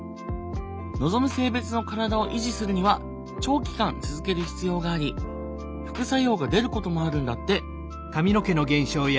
望む性別の体を維持するには長期間続ける必要があり副作用が出ることもあるんだって。